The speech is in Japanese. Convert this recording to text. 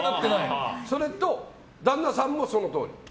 それと旦那さんも、そのとおり。